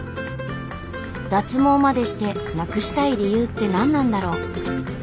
脱毛までしてなくしたい理由って何なんだろう？